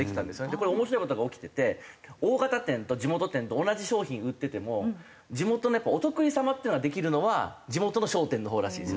これ面白い事が起きてて大型店と地元店と同じ商品売ってても地元のお得意様っていうのができるのは地元の商店のほうらしいんですよ。